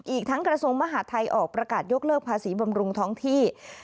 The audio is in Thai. อีกทั้งกระทรวงมหาทัยออกประกาศยกเลิกภาษีบำรุงท้องที่